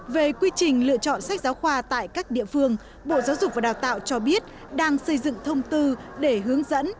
về quy trình lựa chọn sách giáo khoa tại các địa phương bộ giáo dục và đào tạo cho biết đang xây dựng thông tư để hướng dẫn